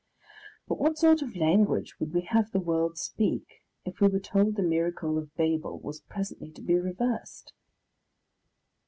But what sort of language would we have the world speak, if we were told the miracle of Babel was presently to be reversed?